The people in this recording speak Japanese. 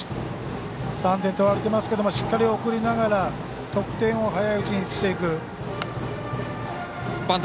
３点取られてますけどもしっかり送りながら得点を早いうちにしていく。